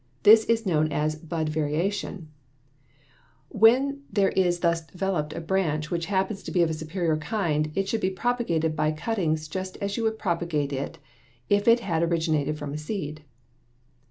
This is known as bud variation. When there is thus developed a branch which happens to be of a superior kind, it should be propagated by cuttings just as you would propagate it if it had originated from a seed.